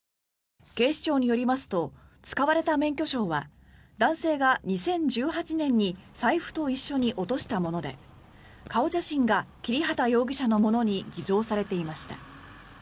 警視庁によりますと使われた免許証は男性が２０１８年に財布と一緒に落としたもので顔写真が切畑容疑者のものに偽造されていました。